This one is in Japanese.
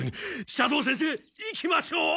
斜堂先生行きましょう！